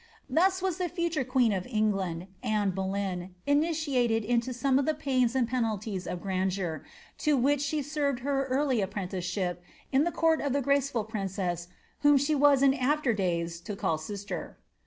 Thus was the future queen of £ngland| . Boleyn, initiated into some of the pains and penalties of grandei: which she served her early apprenticeship in tlie court of tlie gra princess whom she was in after days to call sister.